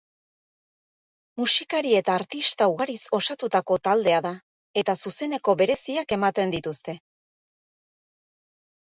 Musikari eta artista ugariz osatutako taldea da eta zuzeneko bereziak ematen dituzte.